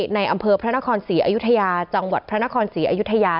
ในอำเภอพระนครศรีอยุธยาจังหวัดพระนครศรีอยุธยา